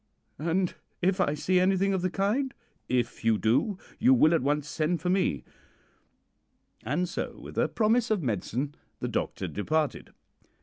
"'And if I see anything of the kind?' "'If you do, you will at once send for me;' and so, with a promise of medicine, the doctor departed.